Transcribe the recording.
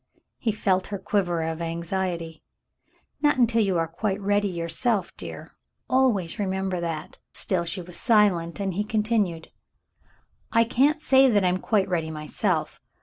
He felt her quiver of anxiety. "Not until you are quite ready your self, dear, always remember that." Still she was silent, and he continued: "I can't say that I'm quite ready myself.